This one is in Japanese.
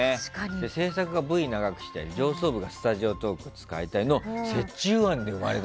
制作がＶを長くしたり、上層部がスタジオトークを長くしたり折衷案で生まれた。